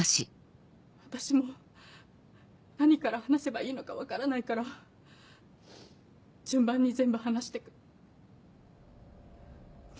私も何から話せばいいのか分からないから順番に全部話してく。